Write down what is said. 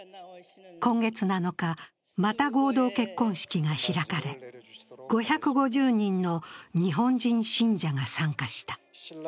今月７日、また合同結婚式が開かれ、５５０人の日本人信者が参加した。